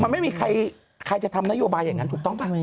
ไม่มีใครใครจะทำนโยบายังนั้นถูกต้องเปล่า